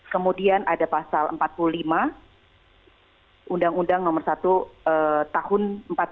kemudian ada pasal empat puluh lima undang undang nomor satu tahun empat puluh lima